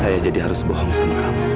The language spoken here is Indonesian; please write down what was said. saya jadi harus bohong sama kamu